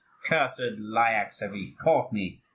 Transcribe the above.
cursed Lyakhs, have ye caught me?